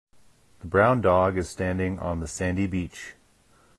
The brown dog is standing on the sandy beach.